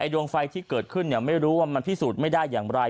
ดวงไฟที่เกิดขึ้นไม่รู้ว่ามันพิสูจน์ไม่ได้อย่างไร